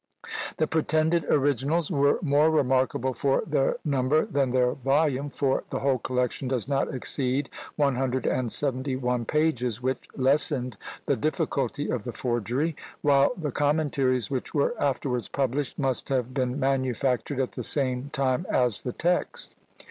The pretended originals were more remarkable for their number than their volume; for the whole collection does not exceed 171 pages, which lessened the difficulty of the forgery; while the commentaries which were afterwards published must have been manufactured at the same time as the text.